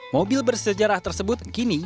mobil bersejarah tersebut kini